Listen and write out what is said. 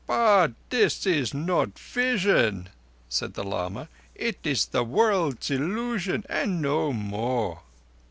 "But this is not vision," said the lama. "It is the world's Illusion, and no more."